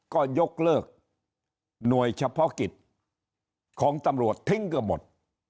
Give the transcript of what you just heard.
ก็ยกเลิกหน่วยเฉพาะกิจของตำรวจทิ้งเกือบหมด